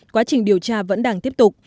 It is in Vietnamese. chương trình điều tra vẫn đang tiếp tục